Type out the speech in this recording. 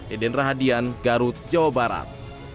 eden rahadian garut jawa barat